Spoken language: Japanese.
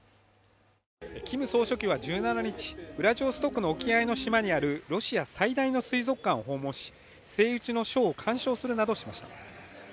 キム総書記は１７日、ウラジオストクの沖合の島にあるロシア最大の水族館を訪問し、セイウチのショーを鑑賞するなどしました。